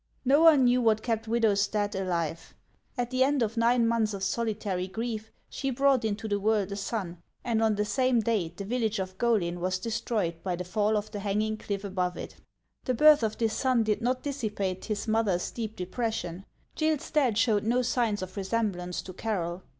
No one knew what kept Widow Stadt alive. At the end of nine months of solitary grief she brought into the world a son, and on the same day the village of Golyn was destroyed by the fall of the hanging cliff above it. The birth of this son did not dissipate his mother's deep depression. Gill Stadt showed no signs of resemblance to Carroll.